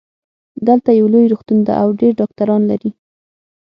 دلته یو لوی روغتون ده او ډېر ډاکټران لری